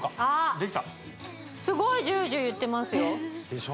できたすごいジュージューいってますよでしょ？